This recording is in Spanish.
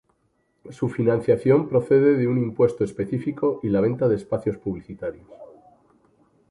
Su financiación procede de un impuesto específico y la venta de espacios publicitarios.